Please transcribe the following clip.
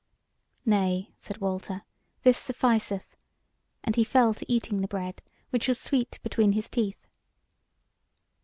"Nay," said Walter, "this sufficeth;" and he fell to eating the bread, which was sweet between his teeth.